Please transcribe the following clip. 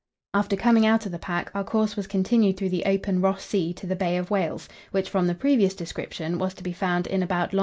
After coming out of the pack, our course was continued through the open Ross Sea to the Bay of Whales, which from the previous description was to be found in about long.